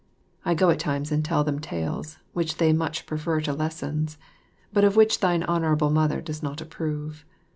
I go at times and tell them tales which they much prefer to lessons, but of which thine Honourable Mother does not approve.